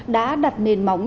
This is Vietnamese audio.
đã đặt nền móng